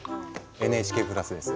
ＮＨＫプラスです。